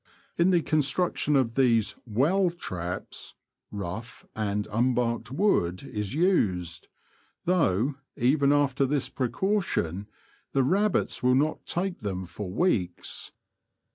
In the construction of these *^ well traps," rough and unbarked wood is used, though, even after this precaution, the rabbits will not take them for weeks.